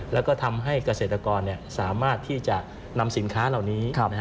แล้วก็ทำให้เกษตรกรสามารถที่จะนำสินค้าเหล่านี้